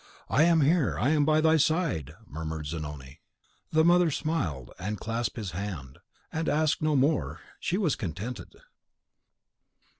"I am here: I am by thy side!" murmured Zanoni. The mother smiled, and clasped his hand, and asked no more; she was contented.